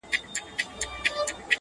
د خپلو اکاونټونو د مونيټايزيشن